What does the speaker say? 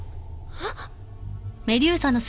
あっ。